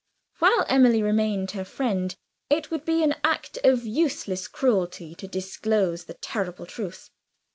While Emily remained her friend, it would be an act of useless cruelty to disclose the terrible truth.